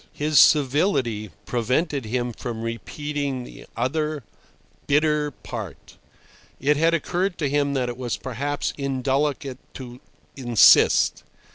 ." His civility prevented him from repeating the other, the bitter part. It had occurred to him that it was perhaps indelicate to insist.